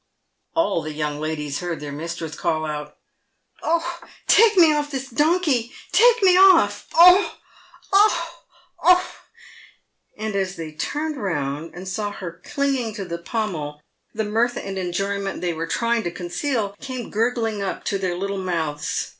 All the young ladies heard their mistress call out, " Oh, take me off this donkey! take me off! oh, oh, oh!" And as they turned round, and saw her clinging to the pommel, the mirth and enjoyment they were trying to conceal came gurgling up to their little mouths.